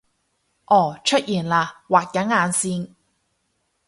噢出現喇畫緊眼線！